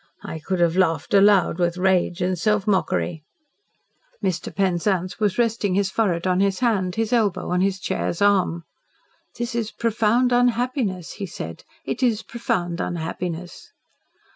I could have laughed aloud with rage and self mockery." Mr. Penzance was resting his forehead on his hand, his elbow on his chair's arm. "This is profound unhappiness," he said. "It is profound unhappiness."